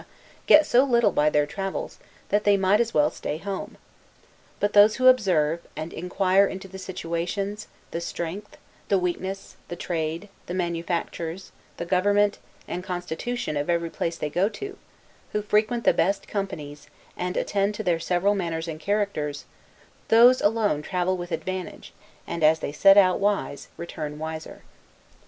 get so little by their travels, that they might as well stay at home. But those who observe, and inquire into the situations, the strength, the weakness, the trade, the manufactures, the government, and constitution of every place they go to; who frequent the best companies, and attend to their several manners and characters; those alone travel with advantage; and as they set out wise, return wiser.